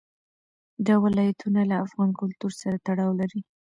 دا ولایتونه له افغان کلتور سره تړاو لري.